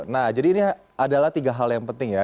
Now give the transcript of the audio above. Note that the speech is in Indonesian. nah jadi ini adalah tiga hal yang penting ya